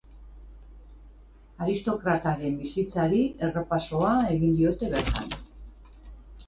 Aristokrataren bizitzari errepasoa egin diote bertan.